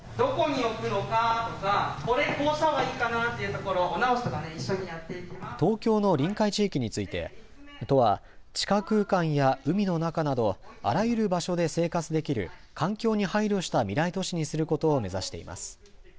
東京の臨海地域について都は地下空間や海の中など、あらゆる場所で生活できる環境に配慮した未来都市にすることを目指しています。